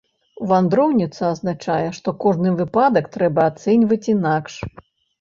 Вандроўніца адзначае, што кожны выпадак трэба ацэньваць інакш.